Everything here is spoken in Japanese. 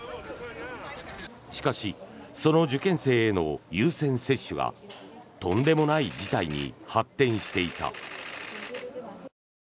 しかし、その受験生への優先接種がとんでもない事態に発展していた。